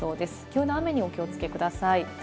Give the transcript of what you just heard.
急な雨にお気をつけください。